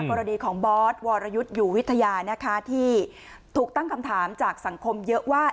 กรณีของบอสวรยุทธ์อยู่วิทยานะคะที่ถูกตั้งคำถามจากสังคมเยอะว่า